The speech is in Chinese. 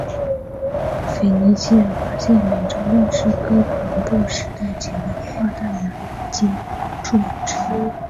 腓尼基人发现美洲论是哥伦布时代前的跨大洋接触的之一。